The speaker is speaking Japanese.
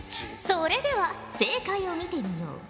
それでは正解を見てみよう。